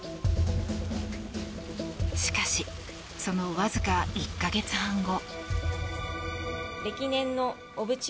しかしそのわずか１か月半後。